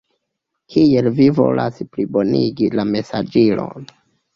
Kiel vi volas plibonigi la mesaĝilon?